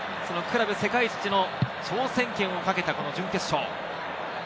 クラブ世界一の挑戦権を懸けたこの準決勝。